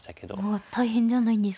ああ大変じゃないんですか？